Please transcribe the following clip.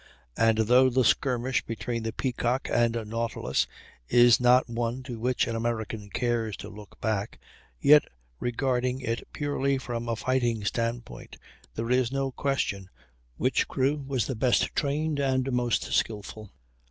And though the skirmish between the Peacock and Nautilus is not one to which an American cares to look back, yet, regarding it purely from a fighting stand point, there is no question which crew was the best trained and most skilful.